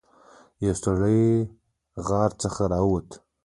یو سړی له غار څخه راووت.